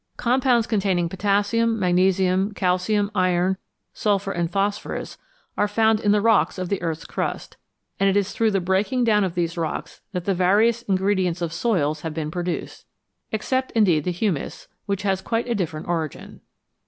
Compounds containing potassium, magnesium, calcium, iron, sulphur, and phosphorus are found in the rocks of the earth's crust, and it is through the breaking down of these rocks that the various in gredients of soils have been produced, except, indeed, the humus, which has quite a different origin.